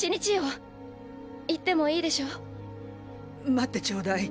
待ってちょうだい。